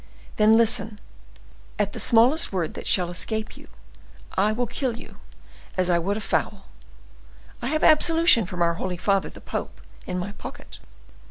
Then listen; at the smallest word that shall escape you, I will kill you as I would a fowl. I have absolution from our holy father, the pope, in my pocket."